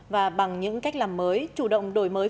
và bằng những cách làm mới chủ động đổi mới